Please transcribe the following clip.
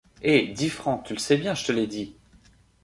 Eh ! dix francs, tu le sais bien, je te l’ai dit…